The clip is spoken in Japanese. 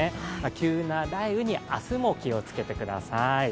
急な雷雨に明日も気をつけてください。